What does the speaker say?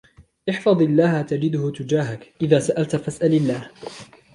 احْفَظِ اللهَ تَجِدْهُ تُجَاهَكَ، إِذَا سَأَلْتَ فَاسْأَلِ اللهَ،